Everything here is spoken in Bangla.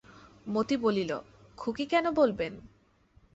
মতি বলিল, খুকি কেন বলবেন?